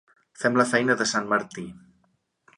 Fem la feina de sant Martí.